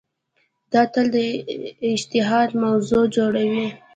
دا تل د اجتهاد موضوع جوړوي.